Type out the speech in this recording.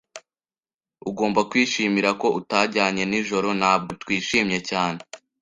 Ugomba kwishimira ko utajyanye nijoro. Ntabwo twishimye cyane.